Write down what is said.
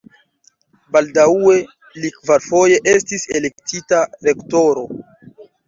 Baldaŭe li kvarfoje estis elektita rektoro.